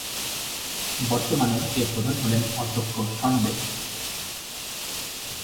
বর্তমানে এর প্রধান হলেন অধ্যক্ষ শন বেক।